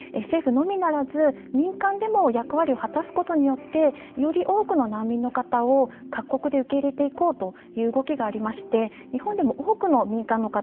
政府のみならず民間でも役割を果たすことによってより多くの難民の方を各国で受け入れていこうという動きがありまして日本でも多くの民間の方